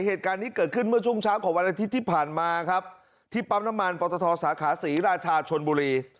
เหตุการณ์นี้เกิดขึ้นเมื่อช่วงเช้าของวันอาทิตย์ที่ผ่านมาครับที่ปั๊มน้ำมันปตทสาขาศรีราชาชนบุรี